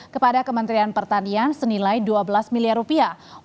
kepada kementerian pertanian senilai dua belas miliar rupiah